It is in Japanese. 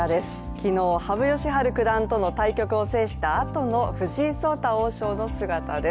昨日、羽生善治九段との対局を制したあとの藤井聡太王将の姿です。